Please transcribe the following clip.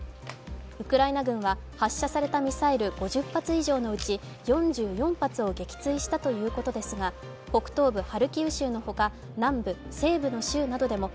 ウクライナ軍は発射されたミサイル５０発以上のうち４４発を撃墜したということですが北東部ハルキウ州のほか、南部、西部の州などでも